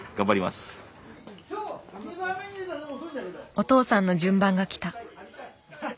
お父さんの順番がきた。